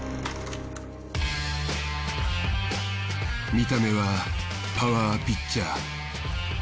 見た目はパワーピッチャー。